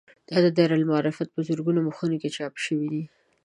دا دایرة المعارف په زرګونو مخونو کې چاپ شوی دی.